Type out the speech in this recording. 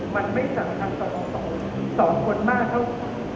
มันไม่สำคัญต่ออีก๒คนมากเท่า